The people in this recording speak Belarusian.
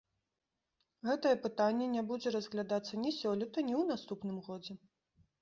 Гэтае пытанне не будзе разглядацца ні сёлета, ні ў наступным годзе.